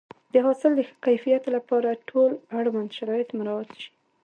د حاصل د ښه کیفیت لپاره باید ټول اړوند شرایط مراعات شي.